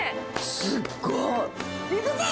すっごい。